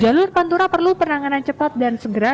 jalur pantura perlu penanganan cepat dan segera